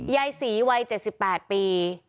ยายศรีวัย๗๘ปี